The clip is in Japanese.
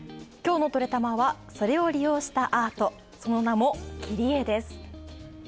きょうの「トレたま」はそれを利用したアート、その名も木り絵です。